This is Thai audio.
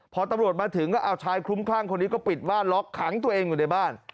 พอตำรวจมาถึงก็เอาชายคลุ้มคลั่งคนนี้ก็ปิดบ้านล็อกขังตัวเองอยู่ในบ้าน